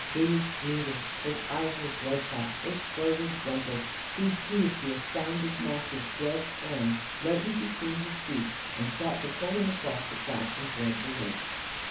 He was bleeding, his eyes were bloodshot, his fur was rumpled. He seized the astounded Master's gloved hand lightly between his teeth and sought to pull him across the tracks and towards the lake.